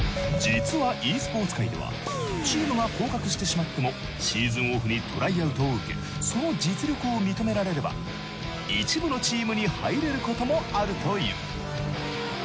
実はｅスポーツ界ではチームが降格してしまってもシーズンオフにトライアウトを受けその実力を認められれば１部のチームに入れることもあるという。